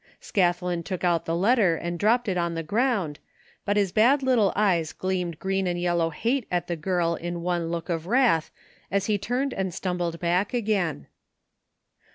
Scathlin took out the letter and dropped it on the ground, but his bad little eyes gleamed green and yel low hate at the girl in one look of wrath as he turned and sttHnbled back again.